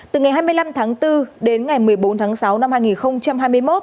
từ ngày hai mươi năm tháng bốn đến ngày một mươi bốn tháng sáu năm hai nghìn hai mươi một